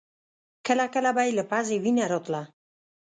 کله کله به يې له پزې وينه راتله.